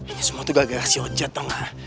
ini semua tuh gara gara si ojat tau gak